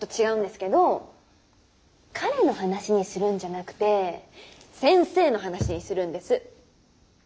けどー彼の話にするんじゃなくてー先生の話にするんです。